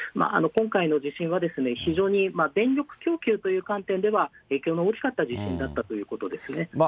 今回の地震は、非常に電力供給という観点では、影響の大きかった地震だということですね。